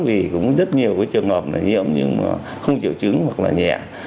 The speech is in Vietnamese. vì cũng rất nhiều cái trường hợp là nhiễm nhưng mà không triệu chứng hoặc là nhẹ